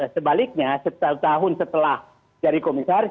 sebaliknya setahun setelah jadi komisaris